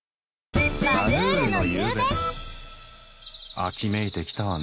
秋めいてきたわね。